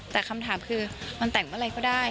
แต่คำถามคือมันแต่งเมื่อไหร่ก็ได้